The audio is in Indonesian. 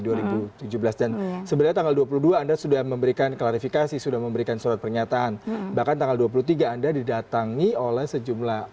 dua ribu tujuh belas dan sebenarnya tanggal dua puluh dua anda sudah memberikan klarifikasi sudah memberikan surat pernyataan bahkan tanggal dua puluh tiga anda didatangi oleh sejumlah